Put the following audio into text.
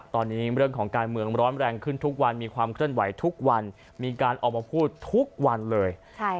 ตอนนี้เรื่องของการเมืองร้อนแรงขึ้นทุกวันมีความเคลื่อนไหวทุกวันมีการออกมาพูดทุกวันเลย